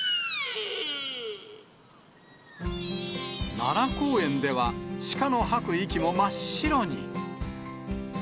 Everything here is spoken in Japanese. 奈良公園では、鹿の吐く息も真っ白に。